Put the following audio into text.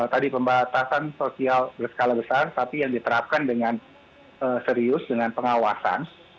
tadi pembatasan sosial berskala besar tapi yang diterapkan dengan serius dengan pengawasan